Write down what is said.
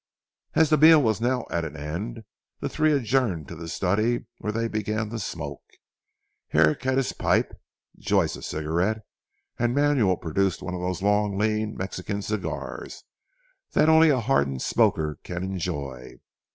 As the meal was now at an end, the three adjourned to the study where they began to smoke. Herrick had his pipe, Joyce a cigarette, and Manuel produced one of those long lean Mexican cigars, that only a hardened smoker can enjoy.